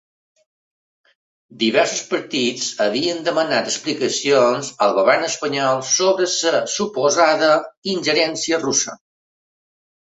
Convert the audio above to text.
Diversos partits havien demanat explicacions al govern espanyol sobre la suposada ingerència russa.